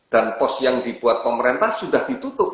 dan pos yang dibuat pemerintah sudah ditutup